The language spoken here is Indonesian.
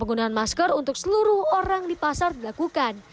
penggunaan masker untuk seluruh orang di pasar dilakukan